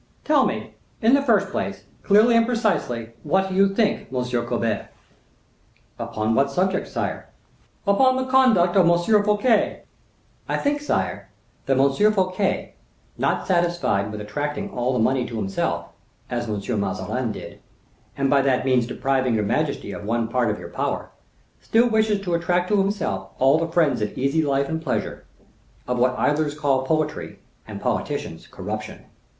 "Tell me, in the first place, clearly and precisely, what you think, M. Colbert." "Upon what subject, sire?" "Upon the conduct of M. Fouquet." "I think, sire, that M. Fouquet, not satisfied with attracting all the money to himself, as M. Mazarin did, and by that means depriving your majesty of one part of your power, still wishes to attract to himself all the friends of easy life and pleasure—of what idlers call poetry, and politicians, corruption.